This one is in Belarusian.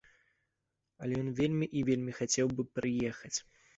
Але ён вельмі і вельмі хацеў бы прыехаць.